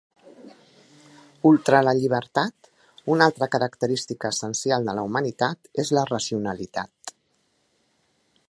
Ultra la llibertat, una altra característica essencial de la humanitat és la racionalitat.